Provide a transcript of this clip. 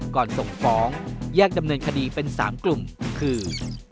ก่อนส่งฟ้องแยกดำเนินคดีเป็น๓กลุ่มคือ